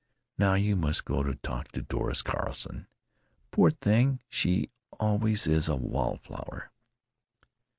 "Now you must go and talk to Doris Carson. Poor thing, she always is a wall flower."